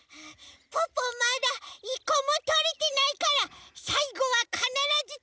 ポッポまだいっこもとれてないからさいごはかならずとります！